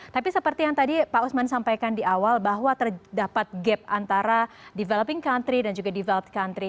tapi seperti yang tadi pak usman sampaikan di awal bahwa terdapat gap antara developing country dan juga develod country